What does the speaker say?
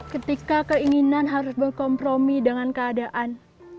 ketika keinginan harus berkompromi dengan keadaan